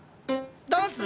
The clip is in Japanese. ダンス？